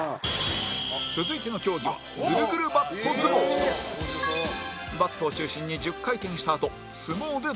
続いての競技はバットを中心に１０回転したあと相撲で対決